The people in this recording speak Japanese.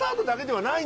はい。